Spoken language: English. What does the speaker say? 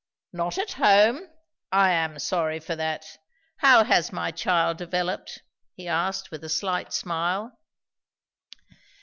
"Not at home! I am sorry for that. How has my child developed?" he asked with a slight smile.